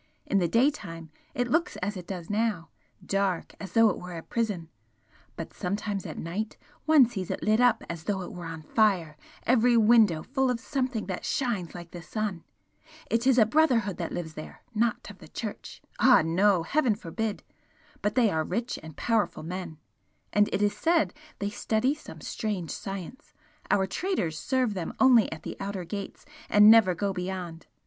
In the daytime it looks as it does now dark, as though it were a prison! but sometimes at night one sees it lit up as though it were on fire every window full of something that shines like the sun! It is a Brotherhood that lives there, not of the Church ah no! Heaven forbid! but they are rich and powerful men and it is said they study some strange science our traders serve them only at the outer gates and never go beyond.